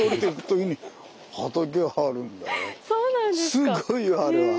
すごいよあれは。